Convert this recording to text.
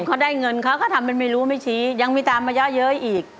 เขาได้เงินเขาก็ทำเป็นไม่รู้ไม่ชี้ยังมีตามมาเยอะเย้ยอีก